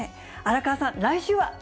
荒川さん、来週は？